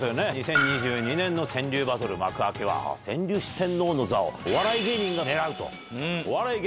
２０２２年の川柳バトル幕開けは川柳四天王の座をお笑い芸人が狙うと。